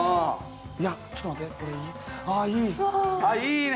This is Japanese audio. いやちょっと待ってこれいいあいい。